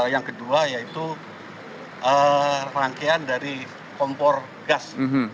yang kedua yaitu rangkaian dari kompor gas